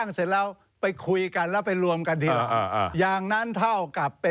นี่นี่นี่นี่นี่นี่